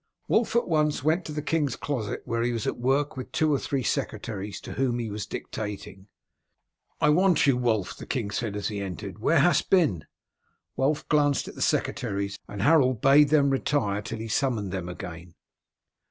Wulf at once went to the king's closet, where he was at work with two or three secretaries, to whom he was dictating. "I want you, Wulf," the king said as he entered. "Where hast been?" Wulf glanced at the secretaries, and Harold bade them retire till he summoned them again.